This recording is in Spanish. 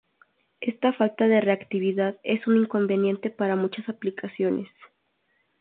Esta falta de reactividad es un inconveniente para muchas aplicaciones.